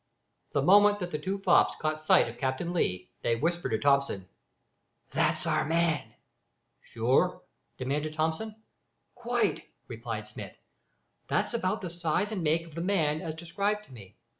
The moment that the two fops caught sight of Captain Lee, they whispered to Thomson "That's our man." "Sure?" demanded Thomson. "Quite," replied Smith. "That's about the size and make of the man as described to me.